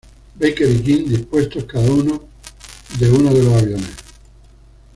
Baker y King dispuestos cada uno de uno de los aviones.